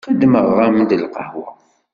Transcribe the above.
Xedmeɣ-am-d lqahwa.